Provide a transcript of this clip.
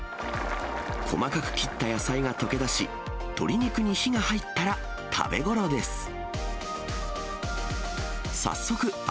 細かく切った野菜が溶け出し、鶏肉に火が入ったら食べごろです。